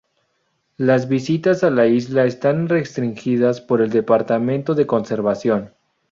Las visitas a las islas están restringidas por el Departamento de Conservación.